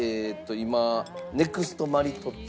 今ネクストマリトッツォ。